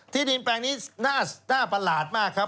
ที่ดินแปลงนี้น่าประหลาดมากครับ